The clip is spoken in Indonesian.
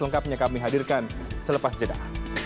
tungkapnya kami hadirkan selepas jendak